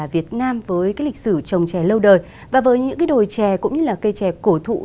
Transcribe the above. việt nam với lịch sử trồng trè lâu đời và với những đồi trè cũng như cây trè cổ thụ